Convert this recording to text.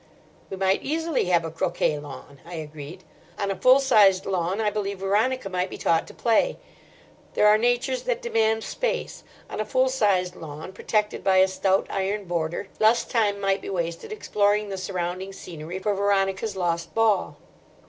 "We might easily have a croquet lawn," I agreed. "On a full sized lawn I believe Veronica might be taught to play. There are natures that demand space. On a full sized lawn, protected by a stout iron border, less time might be wasted exploring the surrounding scenery for Veronica's lost ball."